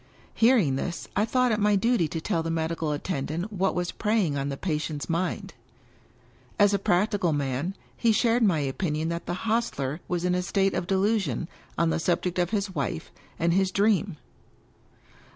Hearing this, I thought it my duty to tell the medical attendant what was preying on the patient's mind. As a practical man, he shared my opinion that the hostler was in a state of delu sion on the subject of his Wife and his Dream.